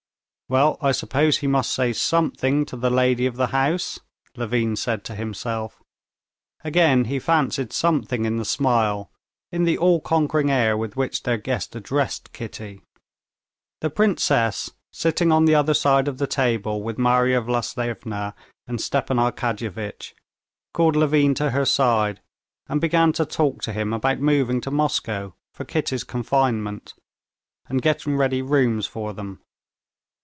"Well, I suppose he must say something to the lady of the house," Levin said to himself. Again he fancied something in the smile, in the all conquering air with which their guest addressed Kitty.... The princess, sitting on the other side of the table with Marya Vlasyevna and Stepan Arkadyevitch, called Levin to her side, and began to talk to him about moving to Moscow for Kitty's confinement, and getting ready rooms for them.